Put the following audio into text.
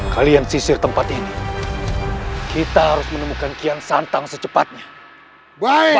kalian sisir tempat ini kita harus menemukan kian santang secepatnya baik